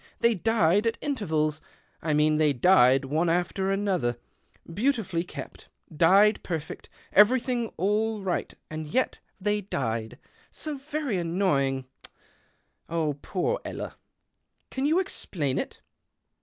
They died at ntervals — I mean they died one after another, beautifully kept, died perfect, everything all ight — and yet they died. So very annoying o poor Ella. Can you explain it